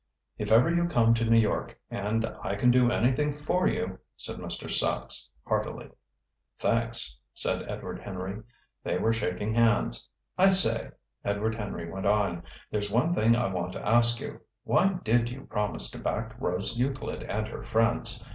"If ever you come to New York, and I can do anything for you " said Mr. Sachs heartily. "Thanks," said Edward Henry. They were shaking hands. "I say," Edward Henry went on, "there's one thing I want to ask you. Why did you promise to back Rose Euclid and her friends?